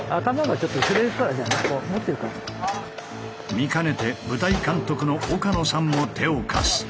見かねて舞台監督の岡野さんも手を貸す。